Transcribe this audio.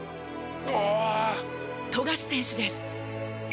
富樫選手です。